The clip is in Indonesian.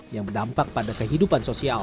yang berdampak pada kehidupan sosial